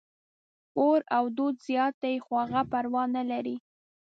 اور او دود زیات دي، خو هغه پروا نه لري.